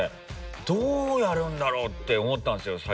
どうやるんだろう？って思ったんですよ